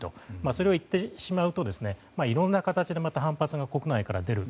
それを言ってしまうといろんな形でまた反発が国内から出る。